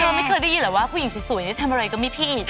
เธอไม่เคยได้ยินหรือว่าผู้หญิงสวยทำอะไรก็ไม่ผิด